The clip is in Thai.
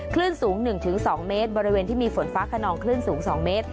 คลื่นสูงหนึ่งถึงสองเมตรบริเวณที่มีฝนฟ้าคานองคลื่นสูงสองเมตร